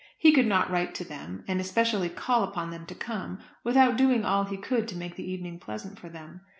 He could not write to them, and especially call upon them to come without doing all he could to make the evening pleasant for them.